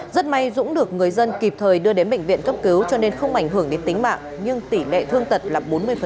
rất may dũng được người dân kịp thời đưa đến bệnh viện cấp cứu cho nên không ảnh hưởng đến tính mạng nhưng tỷ lệ thương tật là bốn mươi